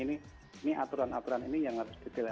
ini aturan aturan ini yang harus detail